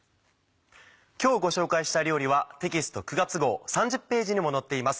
今日ご紹介した料理はテキスト９月号３０ページにも載っています。